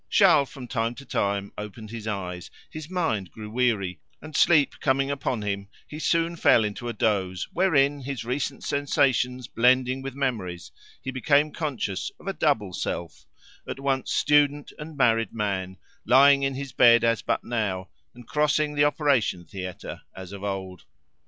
Charles from time to time opened his eyes, his mind grew weary, and, sleep coming upon him, he soon fell into a doze wherein, his recent sensations blending with memories, he became conscious of a double self, at once student and married man, lying in his bed as but now, and crossing the operation theatre as of old.